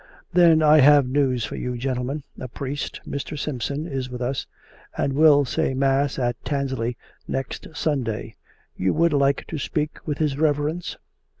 " Then I have news for you, gentlemen. A priest, Mr. Simpson, is with us; and will say mass at Tansley next Sunday. You would like to speak with his reverence